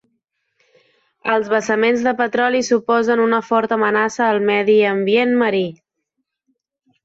Els vessaments de petroli suposen una forta amenaça al medi ambient marí.